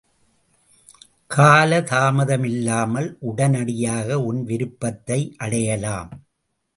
கால தாமதமில்லாமல் உடனடியாக உன் விருப்பத்தை அடையலாம்!